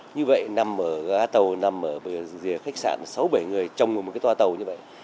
như vậy nằm ở gá tàu nằm ở rìa khách sạn sáu bảy người trong một cái toa tàu như vậy